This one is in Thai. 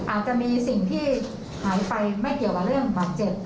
อาจจะมีสิ่งที่หายไปไม่เกี่ยวกับเรื่องบาดเจ็บ